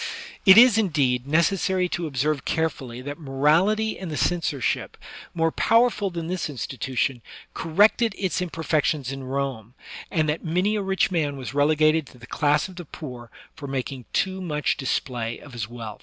It is, indeed, necessary to observe carefully that morality and the censorship, more powerful than this institution, corrected its imperfections in Rome, and that many a rich man was relegated to the class of the poor for making too much display of his wealth.